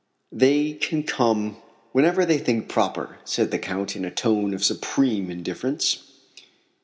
"They can come whenever they think proper," said the Count in a tone of supreme indifference.